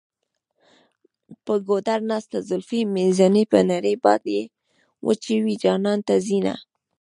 په ګودر ناسته زلفې مینځي په نري باد یې وچوي جانان ته ځینه.